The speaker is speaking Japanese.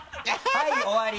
はい終わり！